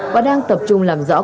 và đang tập trung làm rõ các hành vi